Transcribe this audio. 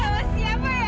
sama siapa ya